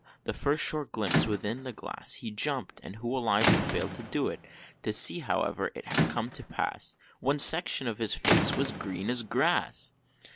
the first short glimpse within the glass He jump'd and who alive would fail to do it? To see however it had come to pass, One section of his face as green as grass!